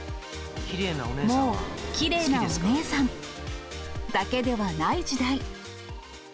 もう、きれいなおねえさんだけではない時代。